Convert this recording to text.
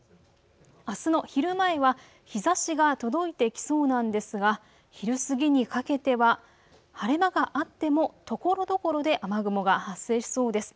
あすの昼前は日ざしが届いてきそうなんですが昼過ぎにかけては晴れ間があってもところどころで雨雲が発生しそうです。